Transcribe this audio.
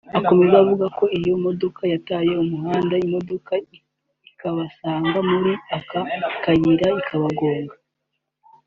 Akomeza avuga ko iyo modoka yataye umuhanda imodoka ikabasanga muri ako kayira ikabagonga